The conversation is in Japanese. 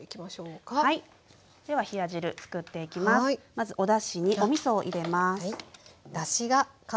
まずおだしにおみそを入れます。